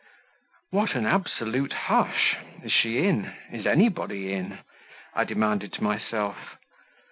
"What an absolute hush! Is she in? Is anybody in?" I demanded to myself.